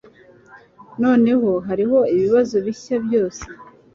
Noneho hariho ibibazo bishya byose